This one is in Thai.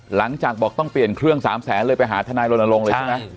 หลังจากบอกต้องเปลี่ยนเครื่อง๓แสนเลยไปหาทนายรณรงค์เลยใช่ไหม